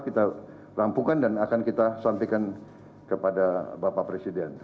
kita rampukan dan akan kita sampaikan kepada bapak presiden